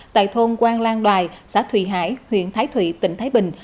tại thôn quang lan đoài xã thủy hải huyện thái thụy tỉnh thái bình